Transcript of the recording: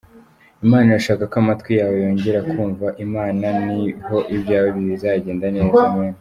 Imana irashaka ko amatwi yawe yongera kumva Imana niho ibyawe bizagenda neza, Amen.